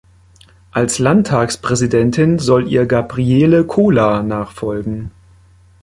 Als Landtagspräsidentin soll ihr Gabriele Kolar nachfolgen.